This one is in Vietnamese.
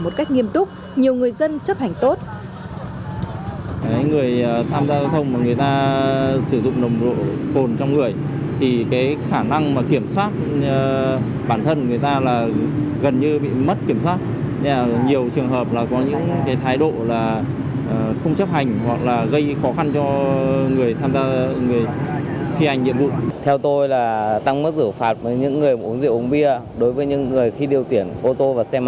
tăng mức phạt được chấn trị nhiều người dân chấp hành tốt